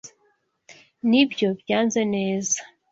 Nibyo, byagenze neza.